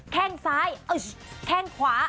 แข้งซ้ายแข้งขวา